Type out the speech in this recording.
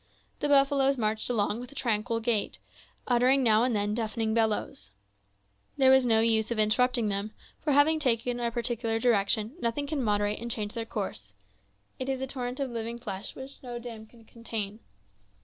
The buffaloes marched along with a tranquil gait, uttering now and then deafening bellowings. There was no use of interrupting them, for, having taken a particular direction, nothing can moderate and change their course; it is a torrent of living flesh which no dam could contain.